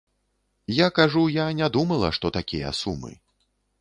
Я кажу, я не думала, што такія сумы.